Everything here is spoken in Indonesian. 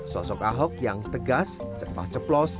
sosok ahok yang tegas cepat ceplos